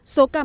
số cảm ơn